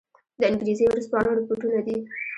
د انګرېزي ورځپاڼو رپوټونه دي.